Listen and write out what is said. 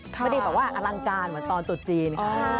ไม่ได้แบบว่าอลังการเหมือนตอนตุดจีนค่ะ